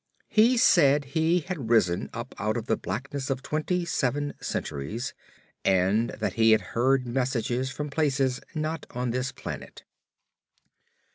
He said he had risen up out of the blackness of twenty seven centuries, and that he had heard messages from places not on this planet.